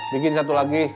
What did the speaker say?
bikin satu lagi